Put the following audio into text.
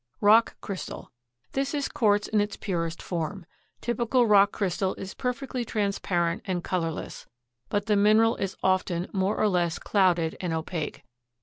Rock Crystal—This is quartz in its purest form. Typical rock crystal is perfectly transparent and colorless, but the mineral is often more or less clouded and opaque.